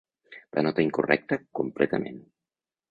La nota incorrecta completament.